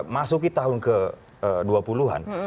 masuki tahun ke dua puluh an